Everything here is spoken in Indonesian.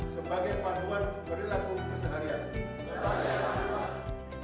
sebagai panduan berlaku keseharian